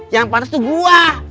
yang pantes itu gua